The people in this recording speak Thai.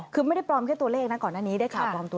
คือไม่ได้ปลอมแค่ตัวเลขนะก่อนหน้านี้ด้วยค่ะ